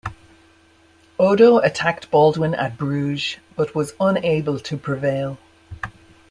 Odo attacked Baldwin at Bruges but was unable to prevail.